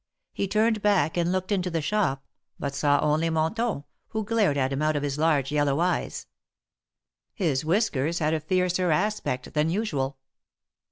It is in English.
He turned back and looked into the shop, but saw only Monton, who glared at him out of his large yellow eyes ; his whiskers had a fiercer aspect than usual.